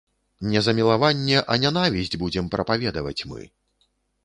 Не замілаванне, а нянавісць будзем прапаведаваць мы.